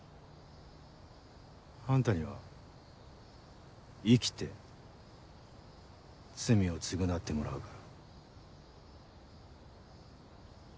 あんたには生きて罪を償ってもらうから。